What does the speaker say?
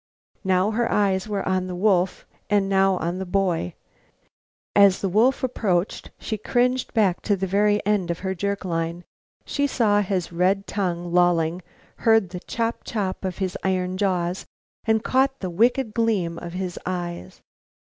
Now her eyes were on the wolf, and now on the boy. As the wolf approached she cringed back to the very end of her jerk line. She saw his red tongue lolling, heard the chop chop of his iron jaws and caught the wicked gleam of his eyes.